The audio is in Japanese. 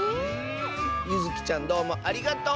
ゆずきちゃんどうもありがとう！